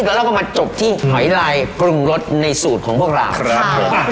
แล้วเราก็มาจบที่หอยลายปรุงรสในสูตรของพวกเราครับผม